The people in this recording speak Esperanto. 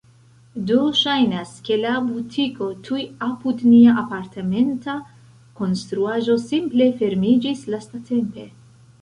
Do, ŝajnas, ke la butiko tuj apud nia apartamenta konstruaĵo simple fermiĝis lastatempe